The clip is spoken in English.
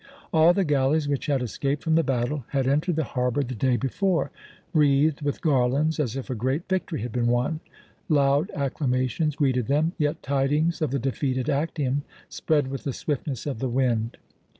All the galleys which had escaped from the battle had entered the harbour the day before, wreathed with garlands as if a great victory had been won. Loud acclamations greeted them, yet tidings of the defeat at Actium spread with the swiftness of the wind.